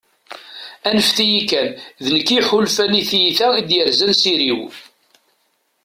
anfet-iyi kan, d nekk i yeḥulfan, i tyita i d-yerzan s iri-w